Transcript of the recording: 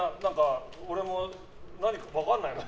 俺も何か分かんないのよ。